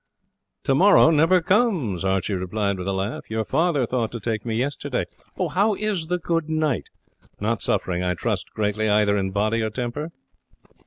"Tomorrow never comes," Archie replied with a laugh. "Your father thought to take me yesterday. How is the good knight? Not suffering, I trust, greatly either in body or temper?"